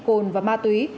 cồn và ma túy